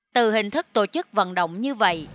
từ hình thức tổ chức vận động như vậy